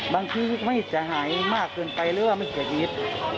บางทีไม่จะหายมากเกินไปเลยว่าไม่ใช่วิทย์